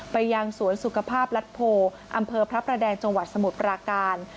ยังสวนสุขภาพรัฐโพอำเภอพระประแดงจังหวัดสมุทรปราการ